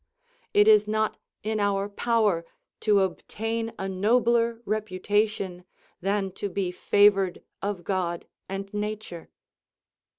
It is not in our power to obtain a nobler reputation than to be favoured of God and nature.